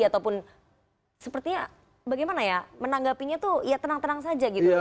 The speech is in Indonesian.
ataupun sepertinya bagaimana ya menanggapinya tuh ya tenang tenang saja gitu